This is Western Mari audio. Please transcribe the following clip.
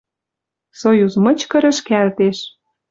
Союз мычкы рӹшкӓлтеш.